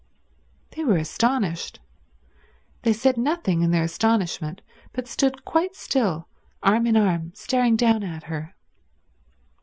They were astonished. They said nothing in their astonishment, but stood quite still, arm in arm, staring down at her.